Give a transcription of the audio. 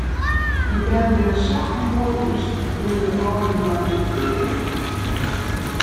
Dy bern binne sa ûndogens, kinne de âlden dat net keare?